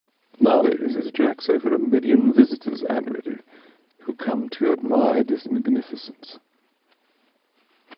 Nowadays, it attracts over a million visitors annually, who come to admire this magnificence.